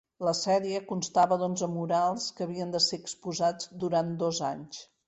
La sèrie constava d'onze murals que havien de ser exposats durant dos anys.